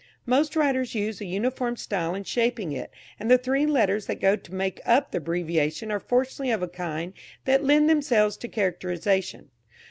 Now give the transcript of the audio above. Most writers use a uniform style in shaping it, and the three letters that go to make up the abbreviation are fortunately of a kind that lend themselves to characterisation.